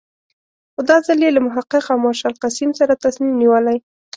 خو دا ځل یې له محقق او مارشال قسیم سره تصمیم نیولی.